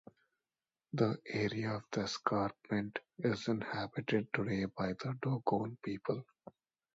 The area of the escarpment is inhabited today by the Dogon people.